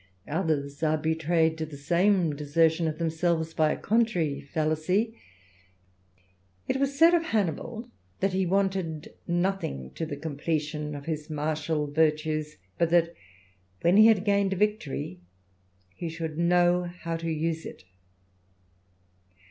Others are betrayed to the same desertion of themselves by a contrary fallacy. It was said of Hannibal, that he wanted nothing to the completion of his martial virtues, but that when he had gained a victory he should know how to use it.